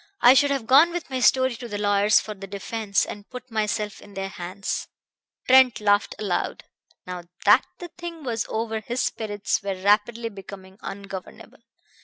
I should have gone with my story to the lawyers for the defense, and put myself in their hands." Trent laughed aloud. Now that the thing was over his spirits were rapidly becoming ungovernable.